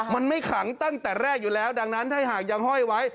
มันไม่ขังตั้งแต่แรกอยู่แล้วดังนั้นถ้าหากยังห้อยไว้